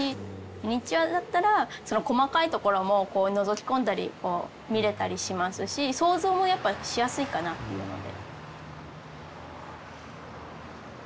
ミニチュアだったら細かいところものぞき込んだり見れたりしますし想像もやっぱしやすいかなというので。